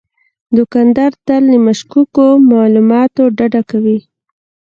دوکاندار تل له مشکوکو معاملاتو ډډه کوي.